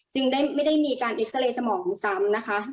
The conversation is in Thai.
ไม่ได้มีการเอ็กซาเรย์สมองซ้ำนะคะ